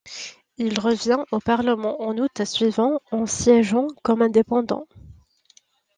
Il revient au Parlement en août suivant en siégeant comme indépendant.